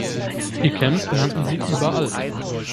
Ihr Camp nannten sie "Überall".